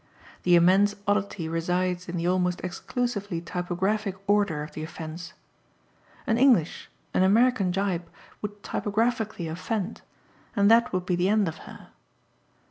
The immense oddity resides in the almost exclusively typographic order of the offence. An English, an American Gyp would typographically offend, and that would be the end of her.